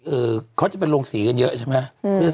เออเขาจะไปลงศรีกันเยอะใช่ไหม